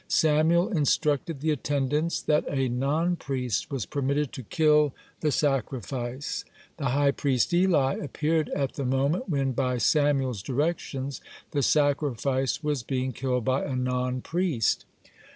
Samuel instructed the attendants that a non priest was permitted to kill the sacrifice. The high priest Eli appeared at the moment when, by Samuel's directions, the sacrifice was being killed by a non priest.